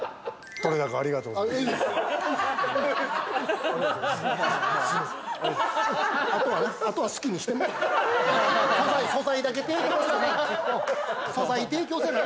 撮れ高、ありがとうございます。